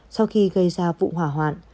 sau khi gây ra vụ hỏa hoạn